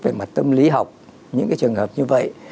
về mặt tâm lý học những trường hợp như vậy